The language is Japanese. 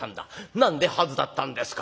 「何で『ハズ』だったんですか？」。